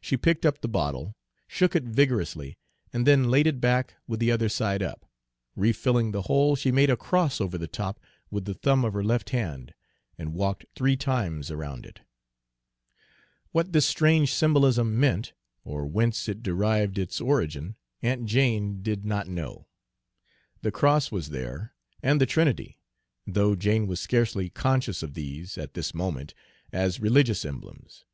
She picked up the bottle, shook it vigorously, and then laid it back, with the other side up. Refilling the hole, she made a cross over the top with the thumb of her left hand, and walked three times around it. What this strange symbolism meant, or whence it derived its origin, Aunt Jane did not know. The cross was there, and the Trinity, though Jane was scarcely conscious of these, at this moment, as religious emblems.